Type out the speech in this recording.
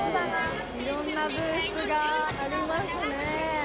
いろんなブースがありますね。